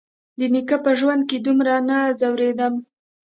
د نيکه په ژوند دومره نه ځورېدم.